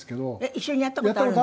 一緒にやった事あるの？